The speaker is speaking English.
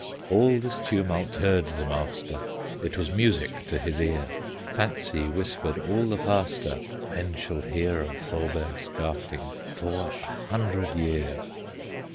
All this tumult heard the master, It was music to his ear; Fancy whispered all the faster, "Men shall hear of Thorberg Skafting For a hundred year!"